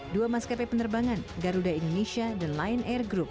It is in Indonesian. dua maskapai penerbangan garuda indonesia dan lion air group